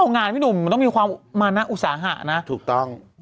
งานพี่หนุ่มมันต้องมีความมานะอุตสาหะนะถูกต้อง